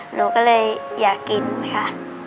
หนูก็เลยอยากกินค่ะ